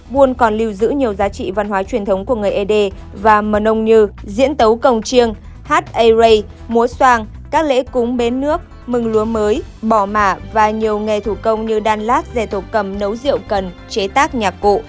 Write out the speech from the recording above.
buôn còn lưu giữ nhiều giá trị văn hóa truyền thống của người ế đê và mờ nông như diễn tấu công chiêng hát a ray muối soang các lễ cúng bến nước mừng lúa mới bỏ mả và nhiều nghề thủ công như đan lát dè thổ cầm nấu rượu cần chế tác nhạc cụ